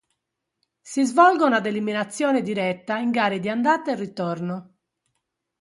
Si svolgono ad eliminazione diretta in gare di andata e ritorno.